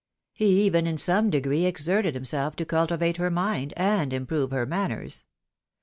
He even in some degree exerted himself to cultivate her mind, and improve her manners.